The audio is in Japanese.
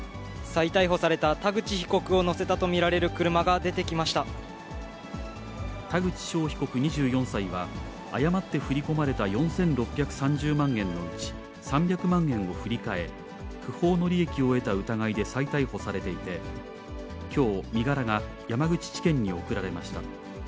再逮捕された田口被告を乗せ田口翔被告２４歳は、誤って振り込まれた４６３０万円のうち、３００万円を振り替え、不法の利益を得た疑いで再逮捕されていて、きょう、身柄が山口地検に送られました。